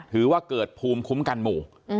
ถือว่าเกิดภูมิคุ้มกันหมู่